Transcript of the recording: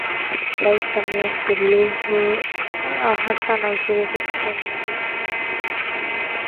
Rais Samia Suluhu Hassan ashiriki Siku ya Mlezi wa Skauti Tanzania